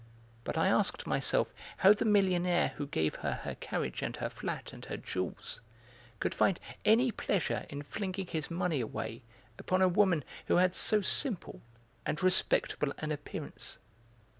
But I asked myself how the millionaire who gave her her carriage and her flat and her jewels could find any pleasure in flinging his money away upon a woman who had so simple and respectable an appearance.